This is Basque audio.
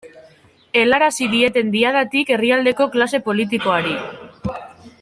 Helarazi dieten Diadatik herrialdeko klase politikoari.